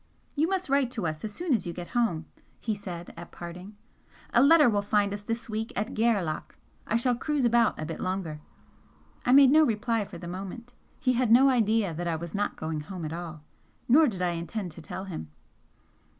"You must write to us as soon as you get home," he said, at parting "A letter will find us this week at Gairloch I shall cruise about a bit longer." I made no reply for the moment. He had no idea that I was not going home at all, nor did I intend to tell him.